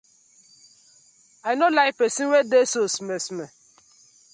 I no like pesin we dey so smer smer.